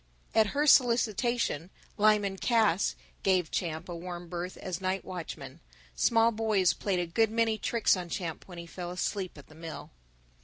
At her solicitation Lyman Cass gave Champ a warm berth as night watchman. Small boys played a good many tricks on Champ when he fell asleep at the mill.